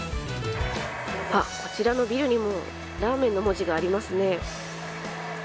こちらのビルにもラーメンの文字がありますね。